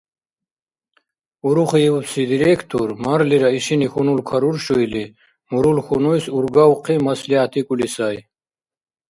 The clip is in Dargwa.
Урухиубси директор, марлира, ишини хьунул каруршу или, мурул-хьунуйс ургавхъи, маслигӀятикӀули сай: